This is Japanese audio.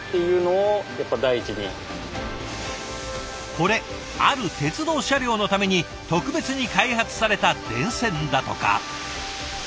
これある鉄道車両のために特別に開発された電線だとか。